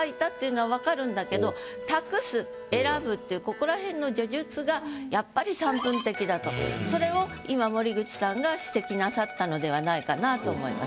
「託す」「選ぶ」っていうここらへんの叙述がやっぱり散文的だとそれを今森口さんが指摘なさったのではないかなと思います。